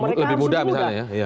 lebih mudah misalnya ya